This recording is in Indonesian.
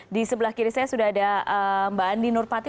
di sebelah kiri saya sudah ada mbak andi nurpati